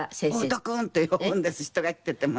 「乙羽君！」って呼ぶんです人が来ててもね。